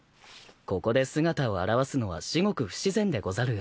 ここで姿を現すのは至極不自然でござるよ。